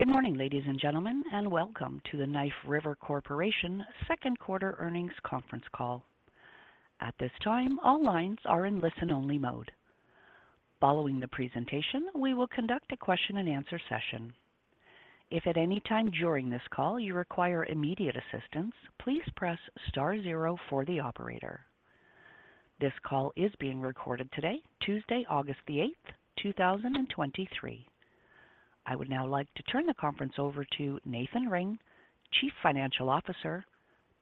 Good morning, ladies and gentlemen, and welcome to the Knife River Corporation 2nd quarter earnings conference call. At this time, all lines are in listen-only mode. Following the presentation, we will conduct a question-and-answer session. If at any time during this call you require immediate assistance, please press star 0 for the operator. This call is being recorded today, Tuesday, August 8, 2023. I would now like to turn the conference over to Nathan Ring, Chief Financial Officer.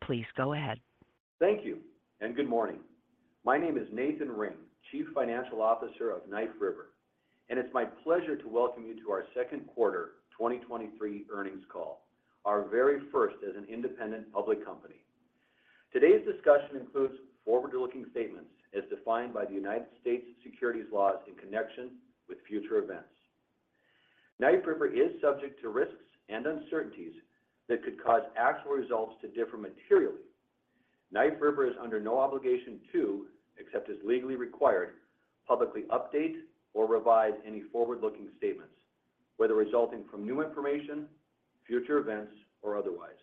Please go ahead. Thank you. Good morning. My name is Nathan Ring, Chief Financial Officer of Knife River. It's my pleasure to welcome you to our second quarter 2023 earnings call, our very first as an independent public company. Today's discussion includes forward-looking statements as defined by the U.S. securities laws in connection with future events. Knife River is subject to risks and uncertainties that could cause actual results to differ materially. Knife River is under no obligation to, except as legally required, publicly update or revise any forward-looking statements, whether resulting from new information, future events, or otherwise.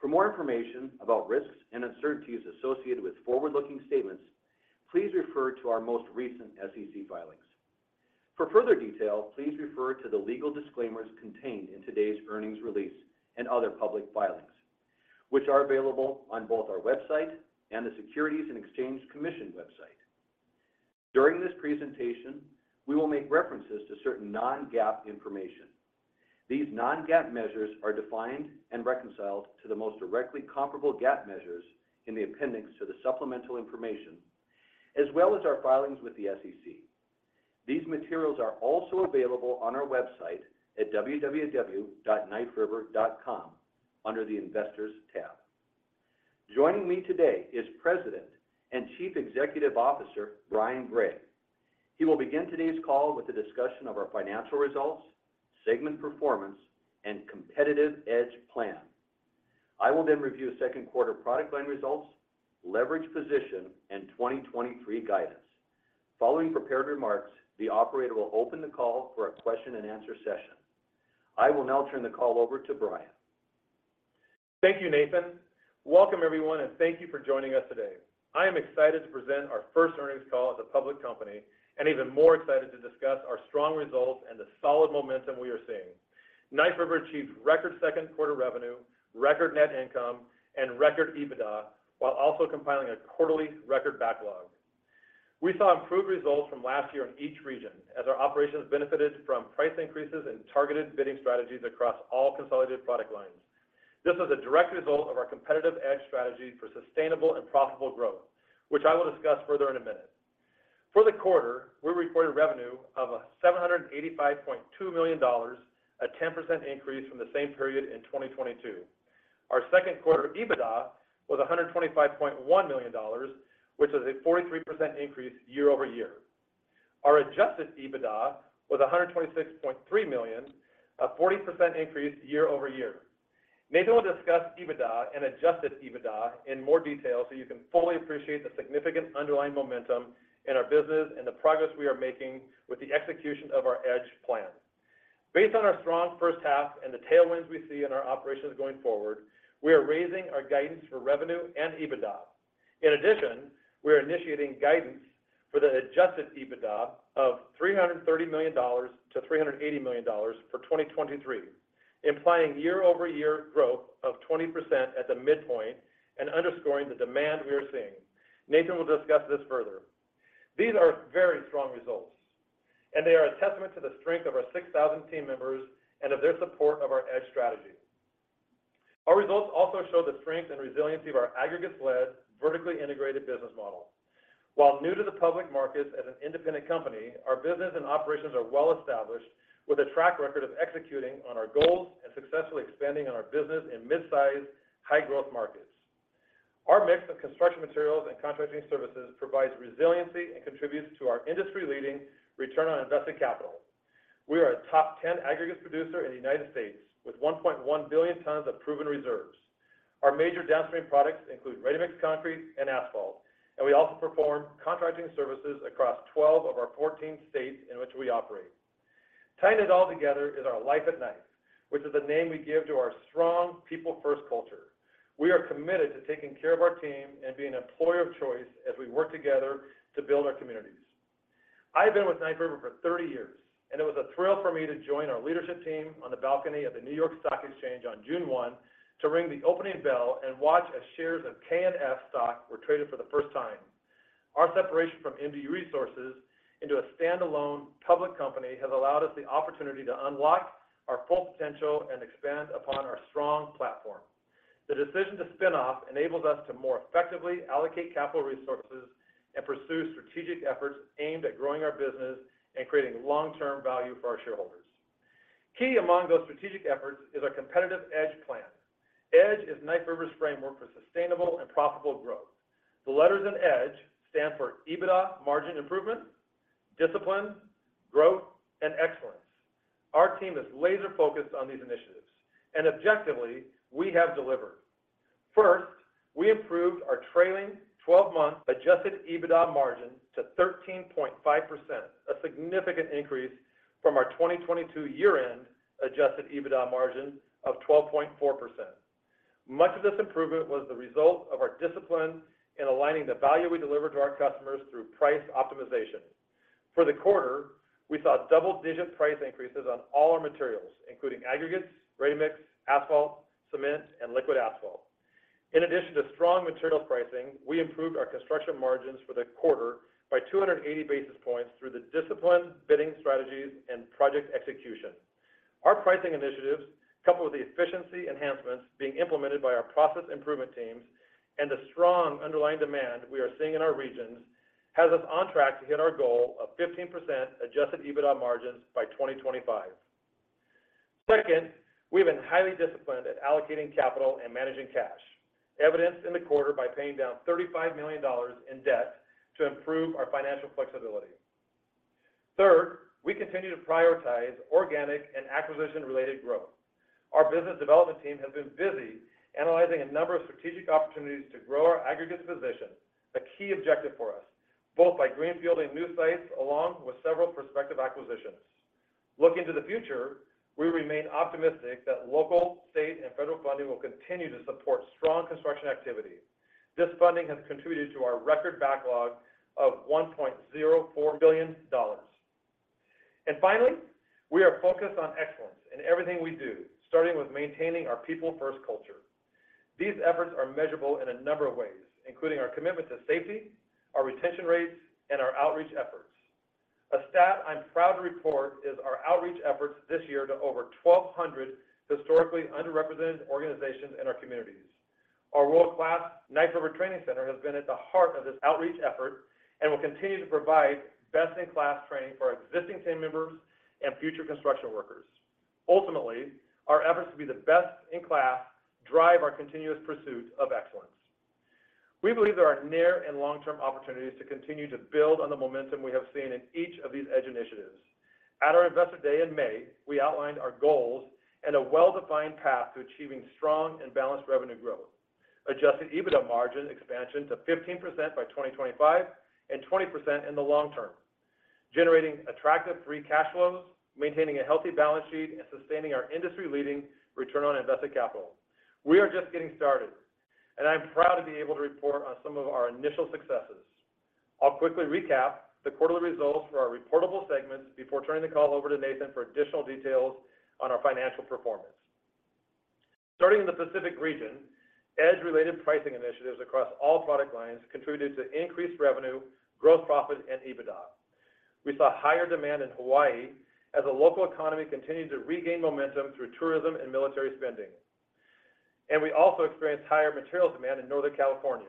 For more information about risks and uncertainties associated with forward-looking statements, please refer to our most recent SEC filings. For further detail, please refer to the legal disclaimers contained in today's earnings release and other public filings, which are available on both our website and the Securities and Exchange Commission website. During this presentation, we will make references to certain non-GAAP information. These non-GAAP measures are defined and reconciled to the most directly comparable GAAP measures in the appendix to the supplemental information, as well as our filings with the SEC. These materials are also available on our website at www.kniferiver.com under the Investors tab. Joining me today is President and Chief Executive Officer, Brian Gray. He will begin today's call with a discussion of our financial results, segment performance, and Competitive EDGE plan. I will then review second quarter product line results, leverage position, and 2023 guidance. Following prepared remarks, the operator will open the call for a question-and-answer session. I will now turn the call over to Brian. Thank you, Nathan. Welcome, everyone, and thank you for joining us today. I am excited to present our first earnings call as a public company, and even more excited to discuss our strong results and the solid momentum we are seeing. Knife River achieved record second quarter revenue, record net income, and record EBITDA, while also compiling a quarterly record backlog. We saw improved results from last year in each region as our operations benefited from price increases and targeted bidding strategies across all consolidated product lines. This is a direct result of our competitive EDGE strategy for sustainable and profitable growth, which I will discuss further in a minute. For the quarter, we reported revenue of $785.2 million, a 10% increase from the same period in 2022. Our second quarter EBITDA was $125.1 million, which is a 43% increase year-over-year. Our Adjusted EBITDA was $126.3 million, a 40% increase year-over-year. Nathan will discuss EBITDA and Adjusted EBITDA in more detail so you can fully appreciate the significant underlying momentum in our business and the progress we are making with the execution of our EDGE plan. Based on our strong first half and the tailwinds we see in our operations going forward, we are raising our guidance for revenue and EBITDA. We are initiating guidance for the Adjusted EBITDA of $330 million-$380 million for 2023, implying year-over-year growth of 20% at the midpoint and underscoring the demand we are seeing. Nathan will discuss this further. These are very strong results, and they are a testament to the strength of our 6,000 team members and of their support of our EDGE strategy. Our results also show the strength and resiliency of our aggregate-led, vertically integrated business model. While new to the public markets as an independent company, our business and operations are well established, with a track record of executing on our goals and successfully expanding on our business in mid-sized, high-growth markets. Our mix of construction materials and contracting services provides resiliency and contributes to our industry-leading return on invested capital. We are a top-10 aggregate producer in the United States, with 1.1 billion tons of proven reserves. Our major downstream products include ready-mix concrete and asphalt, and we also perform contracting services across 12 of our 14 states in which we operate. Tying it all together is our Life at Knife, which is the name we give to our strong people-first culture. We are committed to taking care of our team and being an employer of choice as we work together to build our communities. I have been with Knife River for 30 years, and it was a thrill for me to join our leadership team on the balcony of the New York Stock Exchange on June 1 to ring the opening bell and watch as shares of KNF stock were traded for the first time. Our separation from MDU Resources Group into a standalone public company has allowed us the opportunity to unlock our full potential and expand upon our strong platform. The decision to spin off enables us to more effectively allocate capital resources and pursue strategic efforts aimed at growing our business and creating long-term value for our shareholders. Key among those strategic efforts is our competitive EDGE plan. EDGE is Knife River's framework for sustainable and profitable growth. The letters in EDGE stand for EBITDA margin improvement, discipline, growth, and excellence. Our team is laser-focused on these initiatives. Objectively, we have delivered. First, we improved our trailing twelve-month Adjusted EBITDA margin to 13.5%, a significant increase from our 2022 year-end Adjusted EBITDA margin of 12.4%. Much of this improvement was the result of our discipline in aligning the value we deliver to our customers through price optimization. For the quarter, we saw double-digit price increases on all our materials, including aggregates, ready-mix, asphalt, cement and liquid asphalt. In addition to strong material pricing, we improved our construction margins for the quarter by 280 basis points through the disciplined bidding strategies and project execution. Our pricing initiatives, coupled with the efficiency enhancements being implemented by our Process Improvement Teams and the strong underlying demand we are seeing in our regions, has us on track to hit our goal of 15% Adjusted EBITDA margins by 2025. Second, we've been highly disciplined at allocating capital and managing cash, evidenced in the quarter by paying down $35 million in debt to improve our financial flexibility. Third, we continue to prioritize organic and acquisition-related growth. Our business development team has been busy analyzing a number of strategic opportunities to grow our aggregates position, a key objective for us, both by greenfielding new sites along with several prospective acquisitions. Looking to the future, we remain optimistic that local, state, and federal funding will continue to support strong construction activity. This funding has contributed to our record backlog of $1.04 billion. Finally, we are focused on excellence in everything we do, starting with maintaining our people-first culture. These efforts are measurable in a number of ways, including our commitment to safety, our retention rates, and our outreach efforts. A stat I'm proud to report is our outreach efforts this year to over 1,200 historically underrepresented organizations in our communities. Our world-class Knife River Training Center has been at the heart of this outreach effort and will continue to provide best-in-class training for our existing team members and future construction workers. Ultimately, our efforts to be the best in class drive our continuous pursuit of excellence. We believe there are near and long-term opportunities to continue to build on the momentum we have seen in each of these EDGE initiatives. At our Investor Day in May, we outlined our goals and a well-defined path to achieving strong and balanced revenue growth, Adjusted EBITDA margin expansion to 15% by 2025, and 20% in the long term, generating attractive free cash flows, maintaining a healthy balance sheet, and sustaining our industry-leading return on invested capital. We are just getting started, and I'm proud to be able to report on some of our initial successes. I'll quickly recap the quarterly results for our reportable segments before turning the call over to Nathan for additional details on our financial performance. Starting in the Pacific region, EDGE-related pricing initiatives across all product lines contributed to increased revenue, gross profit, and EBITDA. We saw higher demand in Hawaii as the local economy continued to regain momentum through tourism and military spending. We also experienced higher material demand in Northern California.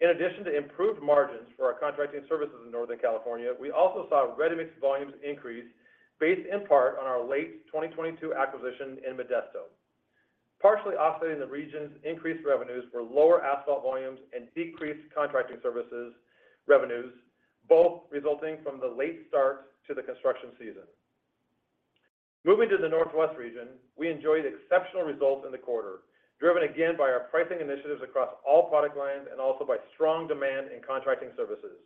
In addition to improved margins for our contracting services in Northern California, we also saw ready-mix volumes increase, based in part on our late 2022 acquisition in Modesto. Partially offsetting the region's increased revenues were lower asphalt volumes and decreased contracting services revenues, both resulting from the late start to the construction season. Moving to the Northwest region, we enjoyed exceptional results in the quarter, driven again by our pricing initiatives across all product lines and also by strong demand in contracting services.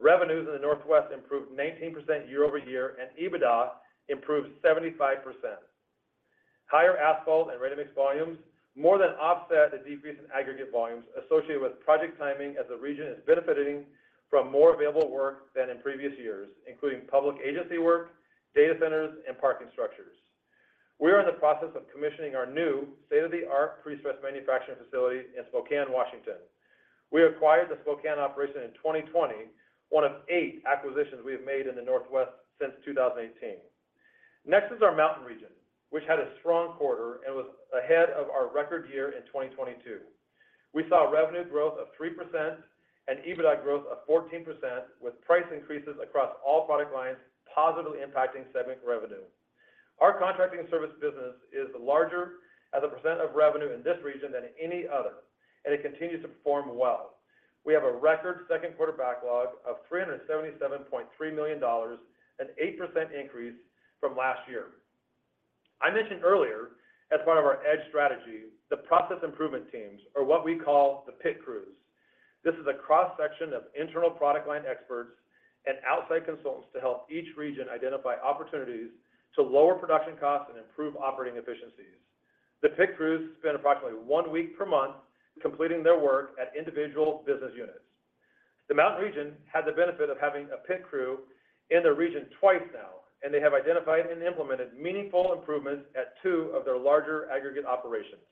Revenues in the Northwest improved 19% year-over-year, and EBITDA improved 75%. Higher asphalt and ready-mix volumes more than offset the decrease in aggregate volumes associated with project timing, as the region is benefiting from more available work than in previous years, including public agency work, data centers, and parking structures. We are in the process of commissioning our new state-of-the-art prestress manufacturing facility in Spokane, Washington. We acquired the Spokane operation in 2020, one of 8 acquisitions we have made in the Northwest since 2018. Our Mountain region had a strong quarter and was ahead of our record year in 2022. We saw revenue growth of 3% and EBITDA growth of 14%, with price increases across all product lines positively impacting segment revenue. Our contracting service business is larger as a % of revenue in this region than any other, and it continues to perform well. We have a record second quarter backlog of $377.3 million, an 8% increase from last year. I mentioned earlier, as part of our EDGE strategy, the Process Improvement Teams, or what we call the PIT Crews. This is a cross-section of internal product line experts and outside consultants to help each region identify opportunities to lower production costs and improve operating efficiencies. The PIT Crews spend approximately 1 week per month completing their work at individual business units. The Mountain region had the benefit of having a PIT Crew in the region 2 times now, and they have identified and implemented meaningful improvements at 2 of their larger aggregate operations.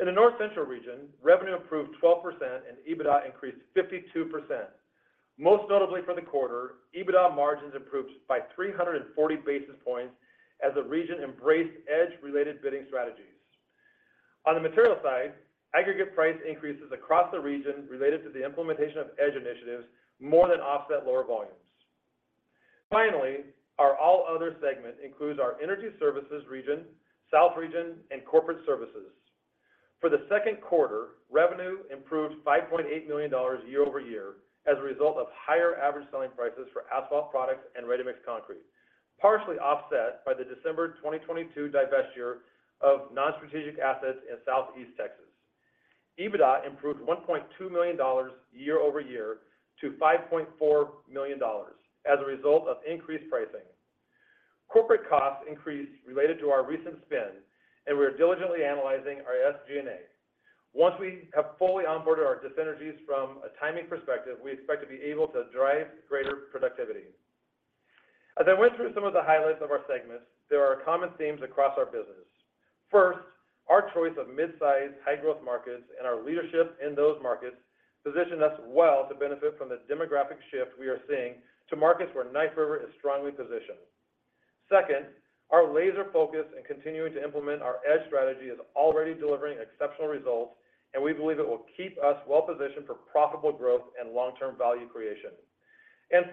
In the North Central region, revenue improved 12% and EBITDA increased 52%. Most notably for the quarter, EBITDA margins improved by 340 basis points as the region embraced EDGE-related bidding strategies. On the material side, aggregate price increases across the region related to the implementation of EDGE initiatives more than offset lower volumes. Finally, our all other segment includes our Energy Services region, South region, and Corporate services. For the second quarter, revenue improved $5.8 million year-over-year as a result of higher average selling prices for asphalt products and ready-mix concrete. partially offset by the December 2022 divestiture of nonstrategic assets in Southeast Texas. EBITDA improved $1.2 million year-over-year to $5.4 million as a result of increased pricing. Corporate costs increased related to our recent spin, and we are diligently analyzing our SG&A. Once we have fully onboarded our dissynergies from a timing perspective, we expect to be able to drive greater productivity. As I went through some of the highlights of our segments, there are common themes across our business. First, our choice of mid-sized, high-growth markets and our leadership in those markets position us well to benefit from the demographic shift we are seeing to markets where Knife River is strongly positioned. Second, our laser focus and continuing to implement our EDGE strategy is already delivering exceptional results, and we believe it will keep us well positioned for profitable growth and long-term value creation.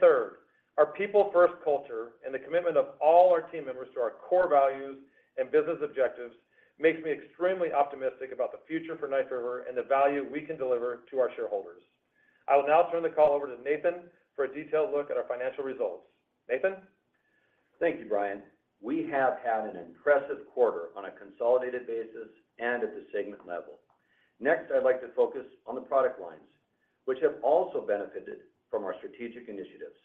Third, our people-first culture and the commitment of all our team members to our core values and business objectives makes me extremely optimistic about the future for Knife River and the value we can deliver to our shareholders. I will now turn the call over to Nathan for a detailed look at our financial results. Nathan? Thank you, Brian. We have had an impressive quarter on a consolidated basis and at the segment level. Next, I'd like to focus on the product lines, which have also benefited from our strategic initiatives.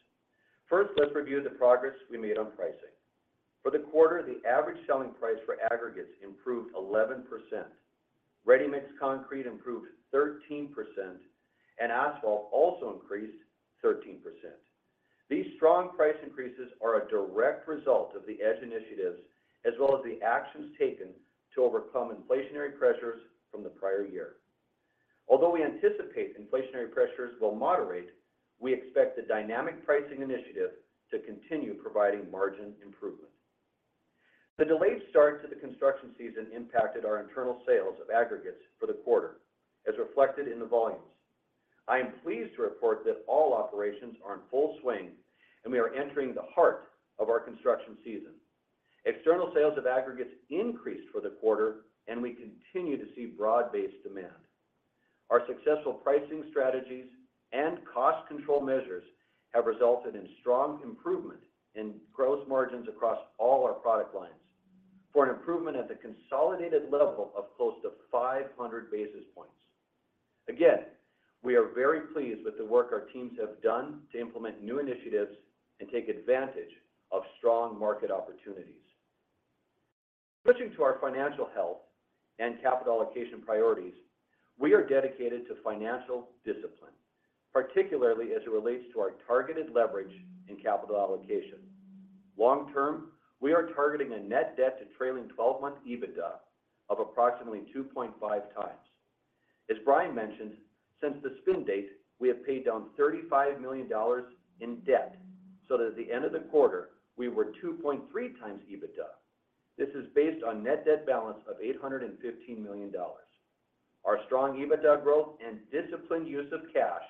First, let's review the progress we made on pricing. For the quarter, the average selling price for aggregates improved 11%. Ready-mix concrete improved 13%, and asphalt also increased 13%. These strong price increases are a direct result of the EDGE initiatives, as well as the actions taken to overcome inflationary pressures from the prior year. Although we anticipate inflationary pressures will moderate, we expect the dynamic pricing initiative to continue providing margin improvement. The delayed start to the construction season impacted our internal sales of aggregates for the quarter, as reflected in the volumes. I am pleased to report that all operations are in full swing, and we are entering the heart of our construction season. External sales of aggregates increased for the quarter, and we continue to see broad-based demand. Our successful pricing strategies and cost control measures have resulted in strong improvement in gross margins across all our product lines for an improvement at the consolidated level of close to 500 basis points. Again, we are very pleased with the work our teams have done to implement new initiatives and take advantage of strong market opportunities. Switching to our financial health and capital allocation priorities, we are dedicated to financial discipline, particularly as it relates to our targeted leverage and capital allocation. Long term, we are targeting a net debt to trailing twelve-month EBITDA of approximately 2.5 times. As Brian mentioned, since the spin date, we have paid down $35 million in debt, so that at the end of the quarter we were 2.3 times EBITDA. This is based on net debt balance of $815 million. Our strong EBITDA growth and disciplined use of cash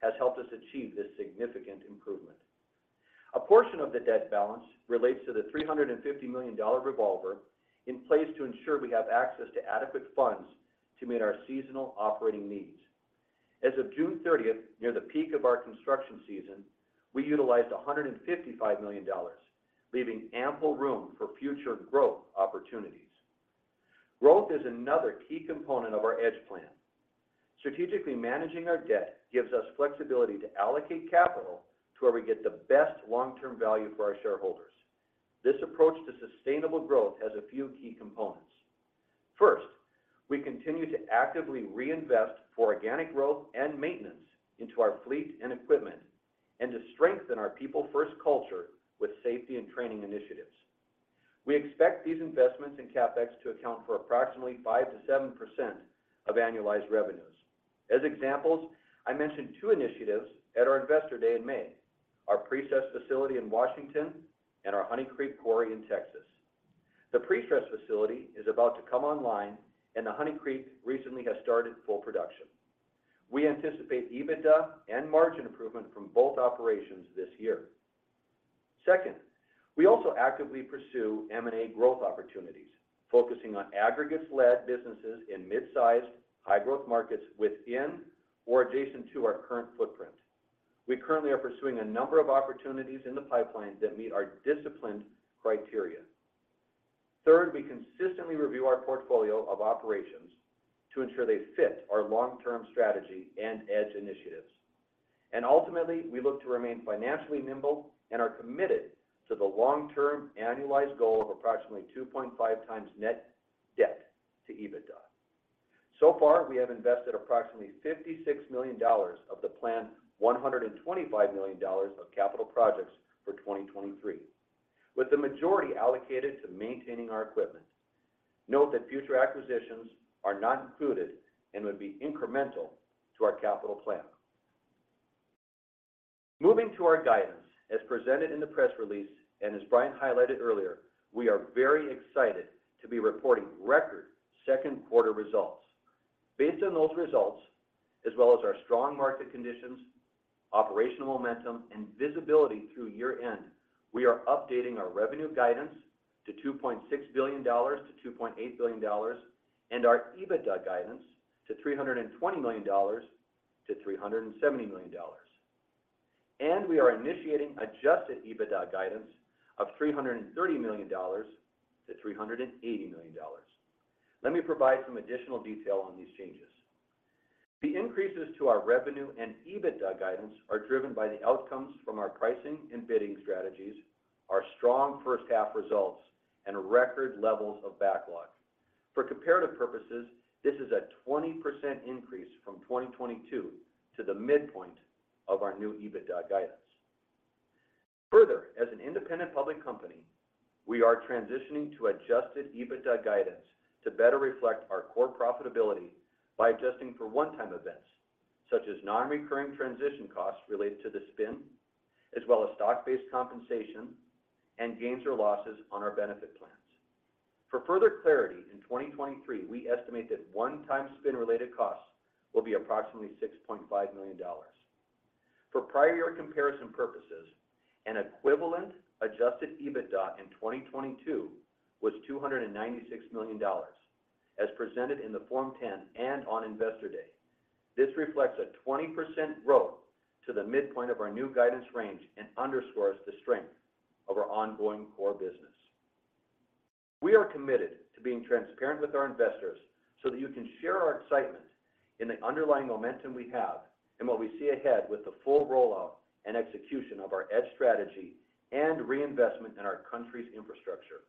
has helped us achieve this significant improvement. A portion of the debt balance relates to the $350 million revolver in place to ensure we have access to adequate funds to meet our seasonal operating needs. As of June 30th, near the peak of our construction season, we utilized $155 million, leaving ample room for future growth opportunities. Growth is another key component of our EDGE plan. Strategically managing our debt gives us flexibility to allocate capital to where we get the best long-term value for our shareholders. This approach to sustainable growth has a few key components. First, we continue to actively reinvest for organic growth and maintenance into our fleet and equipment, and to strengthen our people-first culture with safety and training initiatives. We expect these investments in CapEx to account for approximately 5%-7% of annualized revenues. As examples, I mentioned two initiatives at our Investor Day in May: our prestress facility in Washington and our Honey Creek Quarry in Texas. The prestress facility is about to come online, the Honey Creek recently has started full production. We anticipate EBITDA and margin improvement from both operations this year. Second, we also actively pursue M&A growth opportunities, focusing on aggregates-led businesses in mid-sized, high-growth markets within or adjacent to our current footprint. We currently are pursuing a number of opportunities in the pipeline that meet our disciplined criteria. Third, we consistently review our portfolio of operations to ensure they fit our long-term strategy and EDGE initiatives. Ultimately, we look to remain financially nimble and are committed to the long-term annualized goal of approximately 2.5 times net debt to EBITDA. So far, we have invested approximately $56 million of the planned $125 million of capital projects for 2023, with the majority allocated to maintaining our equipment. Note that future acquisitions are not included and would be incremental to our capital plan. Moving to our guidance, as presented in the press release and as Brian highlighted earlier, we are very excited to be reporting record second quarter results. Based on those results, as well as our strong market conditions, operational momentum, and visibility through year-end, we are updating our revenue guidance to $2.6 billion-$2.8 billion, and our EBITDA guidance to $320 million to-... to $370 million. We are initiating Adjusted EBITDA guidance of $330 million to $380 million. Let me provide some additional detail on these changes. The increases to our revenue and EBITDA guidance are driven by the outcomes from our pricing and bidding strategies, our strong first half results, and record levels of backlog. For comparative purposes, this is a 20% increase from 2022 to the midpoint of our new EBITDA guidance. Further, as an independent public company, we are transitioning to Adjusted EBITDA guidance to better reflect our core profitability by adjusting for one-time events, such as non-recurring transition costs related to the spin, as well as stock-based compensation and gains or losses on our benefit plans. For further clarity, in 2023, we estimate that one-time spin-related costs will be approximately $6.5 million. For prior year comparison purposes, an equivalent Adjusted EBITDA in 2022 was $296 million, as presented in the Form 10 and on Investor Day. This reflects a 20% growth to the midpoint of our new guidance range and underscores the strength of our ongoing core business. We are committed to being transparent with our investors so that you can share our excitement in the underlying momentum we have and what we see ahead with the full rollout and execution of our EDGE strategy and reinvestment in our country's infrastructure.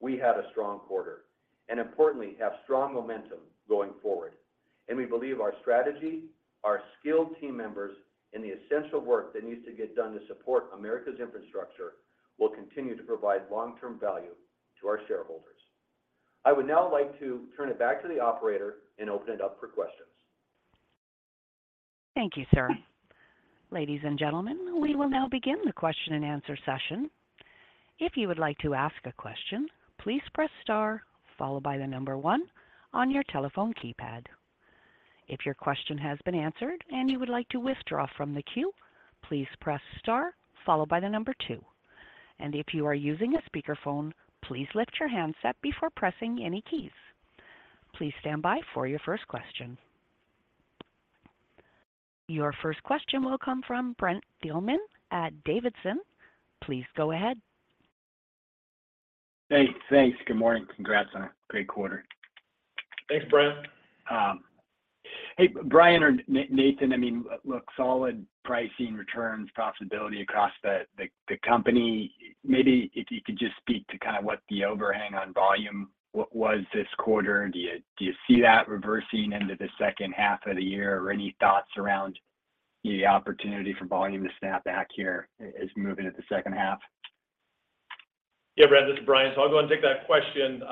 We had a strong quarter, and importantly, have strong momentum going forward, and we believe our strategy, our skilled team members, and the essential work that needs to get done to support America's infrastructure will continue to provide long-term value to our shareholders. I would now like to turn it back to the operator and open it up for questions. Thank you, sir. Ladies and gentlemen, we will now begin the question-and-answer session. If you would like to ask a question, please press star followed by 1 on your telephone keypad. If your question has been answered and you would like to withdraw from the queue, please press star followed by 2. If you are using a speakerphone, please lift your handset before pressing any keys. Please stand by for your first question. Your first question will come from Brent Thielman at D.A. Davidson. Please go ahead. Hey, thanks. Good morning. Congrats on a great quarter. Thanks, Brent. hey, Brian or Nathan, I mean, look, solid pricing, returns, profitability across the, the, the company. Maybe if you could just speak to kind of what the overhang on volume, what was this quarter? Do you, do you see that reversing into the second half of the year, or any thoughts around the opportunity for volume to snap back here as moving into the second half? Yeah, Brent, this is Brian. I'll go and take that question.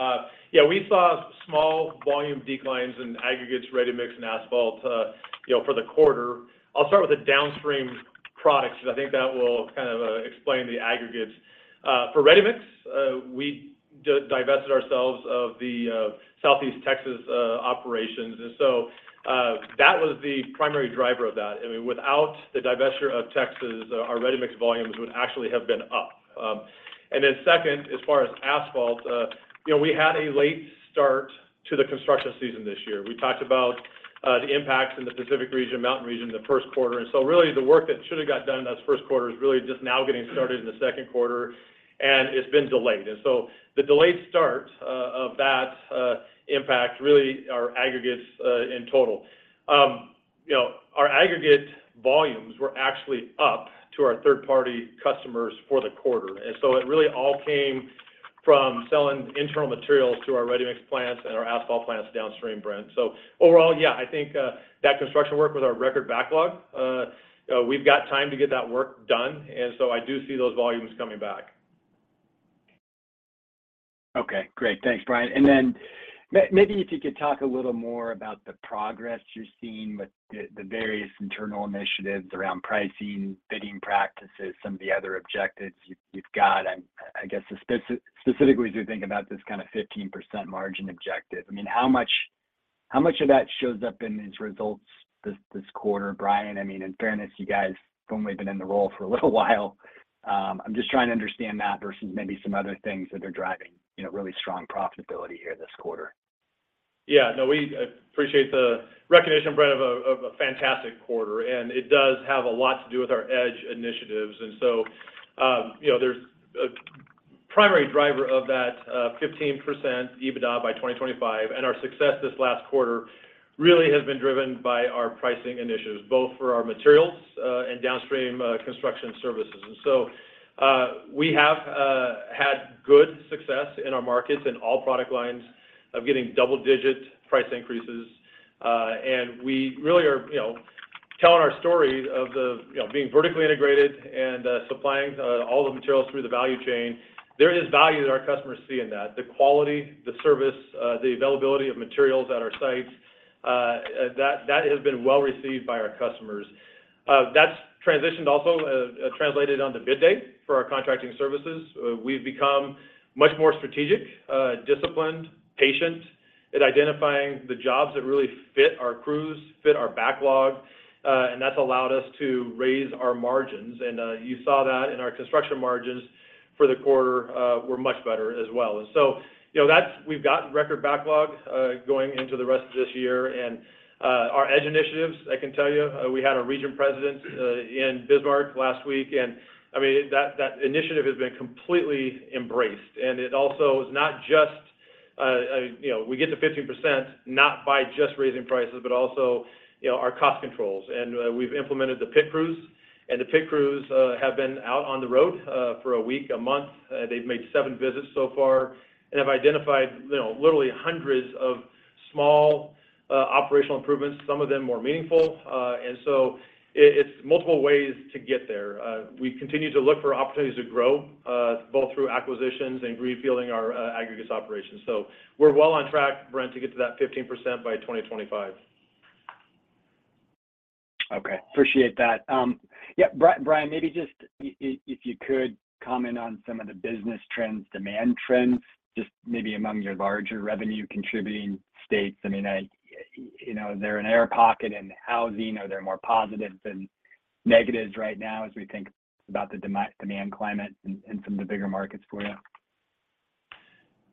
Yeah, we saw small volume declines in aggregates, ready-mix, and asphalt, you know, for the quarter. I'll start with the downstream products, because I think that will kind of explain the aggregates. For ready-mix, we divested ourselves of the Southeast Texas operations, and that was the primary driver of that. I mean, without the divestiture of Texas, our ready-mix volumes would actually have been up. Second, as far as asphalt, you know, we had a late start to the construction season this year. We talked about the impacts in the Pacific region, Mountain region in the first quarter. Really, the work that should have got done in that first quarter is really just now getting started in the second quarter, and it's been delayed. The delayed start of that impact, really our aggregates in total. You know, our aggregate volumes were actually up to our third-party customers for the quarter, and so it really all came from selling internal materials to our ready-mix plants and our asphalt plants downstream, Brent. Overall, yeah, I think that construction work with our record backlog, we've got time to get that work done, and so I do see those volumes coming back. Okay, great. Thanks, Brian. Then maybe if you could talk a little more about the progress you're seeing with the various internal initiatives around pricing, bidding practices, some of the other objectives you've got. I guess, specifically, as you think about this kind of 15% margin objective, I mean, how much, how much of that shows up in these results this quarter, Brian? I mean, in fairness, you guys have only been in the role for a little while. I'm just trying to understand that versus maybe some other things that are driving, you know, really strong profitability here this quarter. Yeah. No, we appreciate the recognition, Brent, of a fantastic quarter, and it does have a lot to do with our EDGE initiatives. You know, there's a primary driver of that 15% EBITDA by 2025, and our success this last quarter really has been driven by our pricing initiatives, both for our materials and downstream construction services. We have had good success in our markets in all product lines of getting double-digit price increases. We really are, you know, telling our story of the, you know, being vertically integrated and supplying all the materials through the value chain. There is value that our customers see in that. The quality, the service, the availability of materials at our sites, that has been well received by our customers. That's transitioned also, translated onto bid day for our contracting services. We've become much more strategic, disciplined, patient.... at identifying the jobs that really fit our crews, fit our backlog, and that's allowed us to raise our margins. You saw that in our construction margins for the quarter were much better as well. You know, we've gotten record backlogs going into the rest of this year. Our EDGE initiatives, I can tell you, we had our region president in Bismarck last week, and I mean, that, that initiative has been completely embraced. It also is not just, you know, we get to 15%, not by just raising prices, but also, you know, our cost controls. We've implemented the PIT Crews, and the PIT Crews have been out on the road for a week, a month. They've made seven visits so far and have identified, you know, literally hundreds of small operational improvements, some of them more meaningful. It's multiple ways to get there. We continue to look for opportunities to grow, both through acquisitions and refilling our aggregates operations. We're well on track, Brent, to get to that 15% by 2025. Okay, appreciate that. Yeah, Brian, maybe just if, if you could comment on some of the business trends, demand trends, just maybe among your larger revenue-contributing states. I mean, you know, is there an air pocket in housing, or are there more positives than negatives right now as we think about the demand climate in, in some of the bigger markets for you?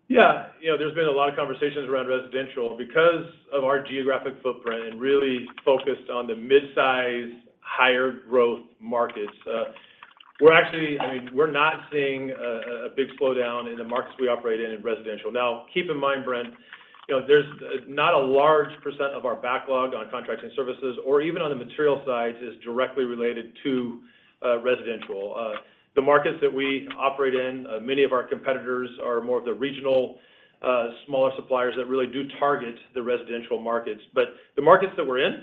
Yeah, you know, there's been a lot of conversations around residential. Because of our geographic footprint and really focused on the mid-size, higher growth markets, we're actually- I mean, we're not seeing a, a big slowdown in the markets we operate in, in residential. Now, keep in mind, Brent Thielman, you know, there's not a large percent of our backlog on contracts and services, or even on the material side, is directly related to residential. The markets that we operate in, many of our competitors are more of the regional, smaller suppliers that really do target the residential markets. The markets that we're in,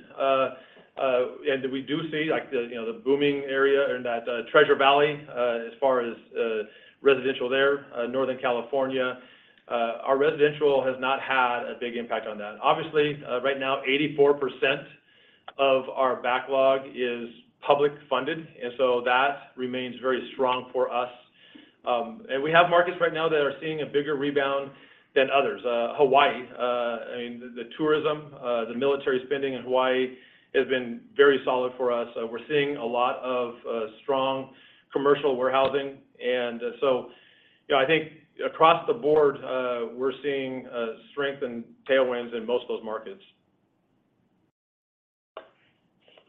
and that we do see, like the, you know, the booming area in that, Treasure Valley, as far as residential there, Northern California, our residential has not had a big impact on that. Obviously, right now, 84% of our backlog is public funded, and so that remains very strong for us. We have markets right now that are seeing a bigger rebound than others. Hawaii, I mean, the, the tourism, the military spending in Hawaii has been very solid for us. We're seeing a lot of, strong commercial warehousing. So, you know, I think across the board, we're seeing, strength and tailwinds in most of those markets.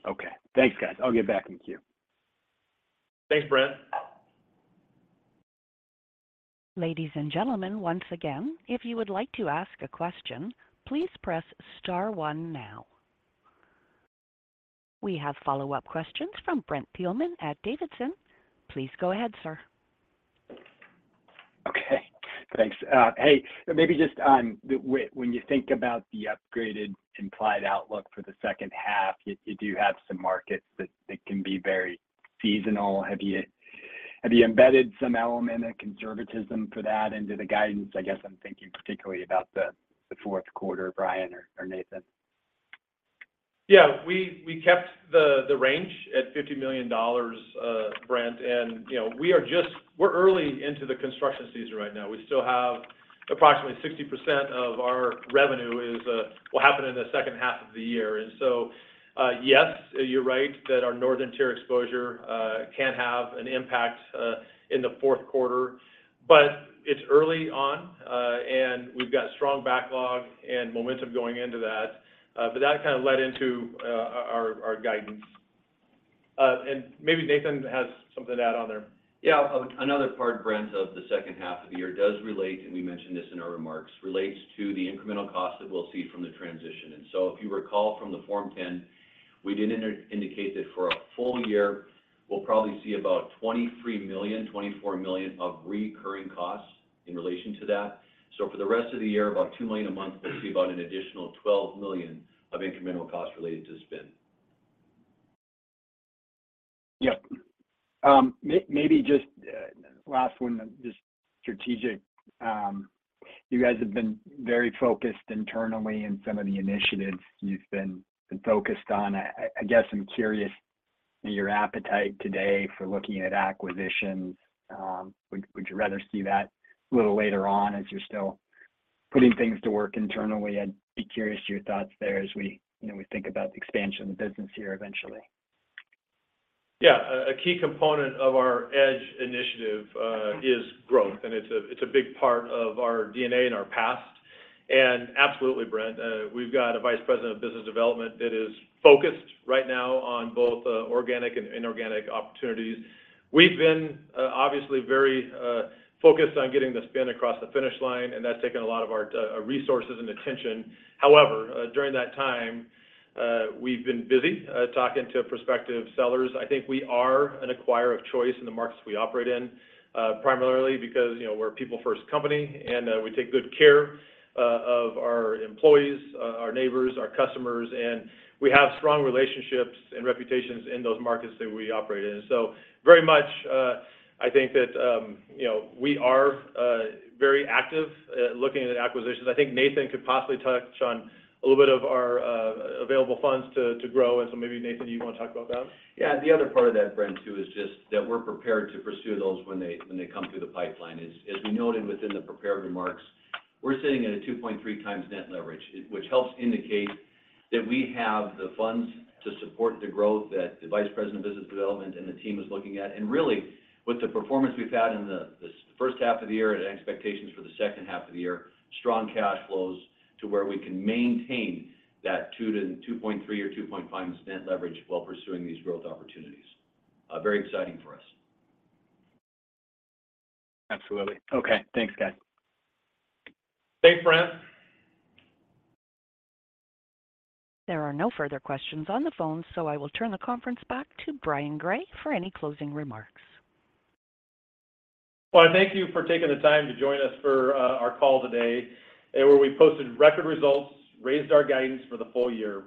Okay. Thanks, guys. I'll get back in queue. Thanks, Brent. Ladies and gentlemen, once again, if you would like to ask a question, please press star one now. We have follow-up questions from Brent Thielman at D.A. Davidson. Please go ahead, sir. Okay, thanks. Hey, maybe just on the when you think about the upgraded implied outlook for the second half, you, you do have some markets that, that can be very seasonal. Have you, have you embedded some element of conservatism for that into the guidance? I guess I'm thinking particularly about the, the fourth quarter, Brian or, or Nathan. Yeah, we, we kept the range at $50 million, Brent, and, you know, we are we're early into the construction season right now. We still have approximately 60% of our revenue will happen in the second half of the year. Yes, you're right that our northern tier exposure can have an impact in the fourth quarter. It's early on, and we've got strong backlog and momentum going into that. That kind of led into our guidance. Maybe Nathan has something to add on there. Yeah. Another part, Brent, of the second half of the year does relate, and we mentioned this in our remarks, relates to the incremental cost that we'll see from the transition. If you recall from the Form 10, we did indicate that for a full year, we'll probably see about $23 million, $24 million of recurring costs in relation to that. For the rest of the year, about $2 million a month, we'll see about an additional $12 million of incremental costs related to spin. Yep. Maybe just, last one, just strategic. You guys have been very focused internally in some of the initiatives you've been, been focused on. I guess I'm curious your appetite today for looking at acquisitions? Would you rather see that a little later on as you're still putting things to work internally? I'd be curious to your thoughts there as we, you know, we think about the expansion of the business here eventually. Yeah. A, a key component of our EDGE initiative is growth, and it's a, it's a big part of our DNA and our past. Absolutely, Brent, we've got a Vice President of Business Development that is focused right now on both organic and inorganic opportunities. We've been obviously very focused on getting the spin across the finish line, and that's taken a lot of our resources and attention. However, during that time, we've been busy talking to prospective sellers. I think we are an acquirer of choice in the markets we operate in, primarily because, you know, we're a people-first company, and we take good care of our employees, our, our neighbors, our customers, and we have strong relationships and reputations in those markets that we operate in. Very much, I think that, you know, we are very active looking at acquisitions. I think Nathan could possibly touch on a little bit of our available funds to, to grow. Maybe, Nathan, do you want to talk about that? Yeah, the other part of that, Brent, too, is just that we're prepared to pursue those when they, when they come through the pipeline. As we noted within the prepared remarks, we're sitting at a 2.3x net leverage, which helps indicate that we have the funds to support the growth that the vice president of business development and the team is looking at. Really, with the performance we've had in the first half of the year and expectations for the second half of the year, strong cash flows to where we can maintain that 2x to 2.3x or 2.5x net leverage while pursuing these growth opportunities. Very exciting for us. Absolutely. Okay, thanks, guys. Thanks, Brent. There are no further questions on the phone, so I will turn the conference back to Brian Gray for any closing remarks. Well, thank you for taking the time to join us for our call today, and where we posted record results, raised our guidance for the full year.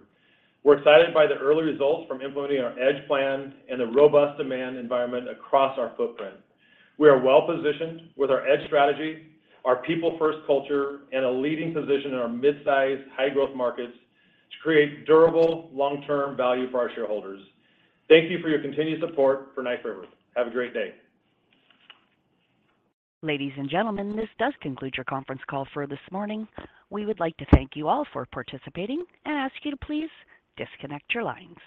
We're excited by the early results from implementing our EDGE plan and the robust demand environment across our footprint. We are well positioned with our EDGE strategy, our people first culture, and a leading position in our mid-size, high-growth markets to create durable, long-term value for our shareholders. Thank you for your continued support for Knife River. Have a great day. Ladies and gentlemen, this does conclude your conference call for this morning. We would like to thank you all for participating and ask you to please disconnect your lines.